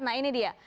nah ini dia